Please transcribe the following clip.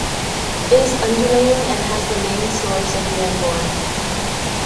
It is undulating and has the main source of the Enborne.